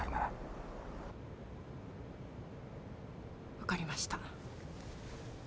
分かりました。